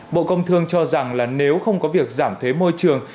bộ công thương cho rằng là nếu không có việc giảm thế môi trường